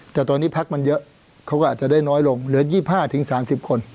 แต่ตอนนี้พักมันเยอะเขาก็อาจจะได้น้อยลงเหลือ๒๕๓๐คน